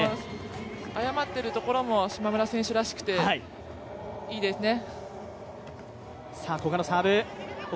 謝っているところも島村選手らしくて、いいですね。